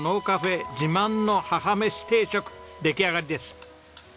カフェ自慢の母めし定食出来上がりです。